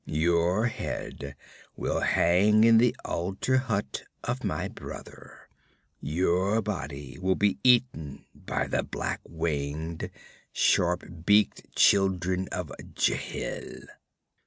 Your head will hang in the altar hut of my brother. Your body will be eaten by the black winged, sharp beaked Children of Jhil.'